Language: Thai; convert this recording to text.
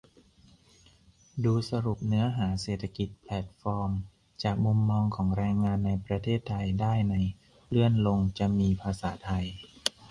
ดูสรุปเนื้อหา "เศรษฐกิจแพลตฟอร์มจากมุมมองของแรงงานในประเทศไทย" ได้ใน เลื่อนลงจะมีภาษาไทย